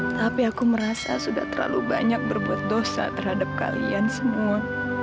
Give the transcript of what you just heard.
tapi aku merasa sudah terlalu banyak berbuat dosa terhadap kalian semua